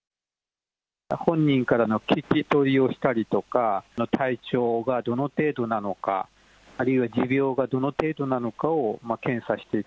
本人からの聞き取りをしたりとか、体調がどの程度なのか、あるいは持病がどの程度なのかを検査していく。